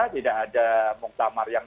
tidak ada muktamar yang